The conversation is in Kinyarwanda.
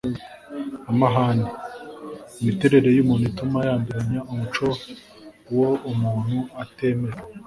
amahane: imiterere y’umuntu ituma yanduranya; umuco wo umuntu atemera